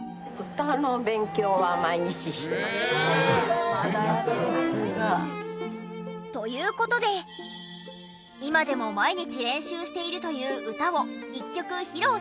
うわさすが。という事で今でも毎日練習しているという歌をありがたい。